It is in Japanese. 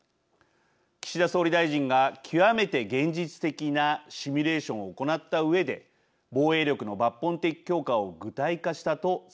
岸田総理大臣が極めて現実的なシミュレーションを行ったうえで防衛力の抜本的強化を具体化したと説明したからです。